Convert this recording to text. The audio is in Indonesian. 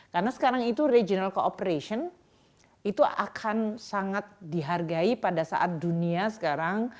karena sekarang itu regional cooperation itu akan sangat dihargai pada saat dunia sekarang